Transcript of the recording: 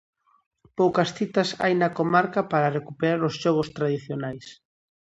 Poucas citas hai na comarca para recuperar os xogos tradicionais.